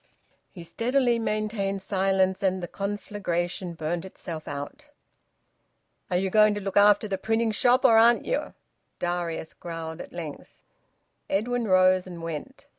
He steadily maintained silence, and the conflagration burnt itself out. "Are you going to look after the printing shop, or aren't you?" Darius growled at length. Edwin rose and went.